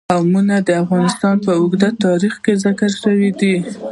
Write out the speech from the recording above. قومونه د افغانستان په اوږده تاریخ کې ذکر شوی دی.